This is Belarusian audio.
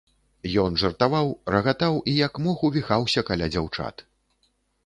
Ён жартаваў, рагатаў і як мог увіхаўся каля дзяўчат.